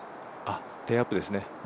レイアップですね。